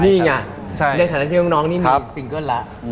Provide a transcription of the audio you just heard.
นี่ไงในฐานะที่ว่าน้องนี่มีซิงเกิ้ลแล้ว